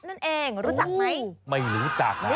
นั่นเองรู้จักไหม